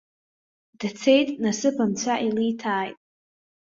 Дцеит, насыԥ анцәа илиҭааит.